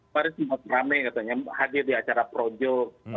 pak ruf amin katanya hadir di acara projo